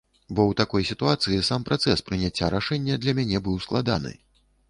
Бо ў такой сітуацыі сам працэс прыняцця рашэння для мяне быў складаны.